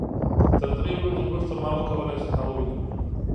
تر دریو ورځو وروسته ما وکولای شو تا ووينم.